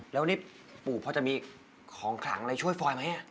แล้วนี่ปู่พอจะมีของขลังอะไรช่วยฟอยไหม